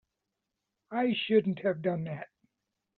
I shouldn't have done that.